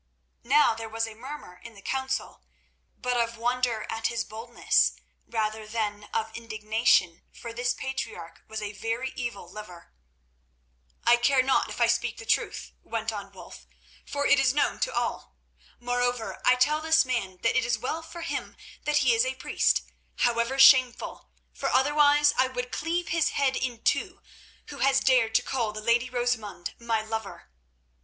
Now there was a murmur in the council, but of wonder at his boldness rather than of indignation, for this patriarch was a very evil liver. "I care not if I speak the truth," went on Wulf, "for it is known to all. Moreover, I tell this man that it is well for him that he is a priest, however shameful, for otherwise I would cleave his head in two who has dared to call the lady Rosamund my lover."